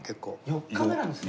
４日目なんですか。